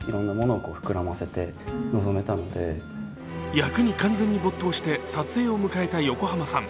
役に完全に没頭して撮影を向けた横浜さん。